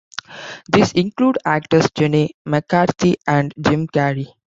These include actors Jenny McCarthy and Jim Carrey.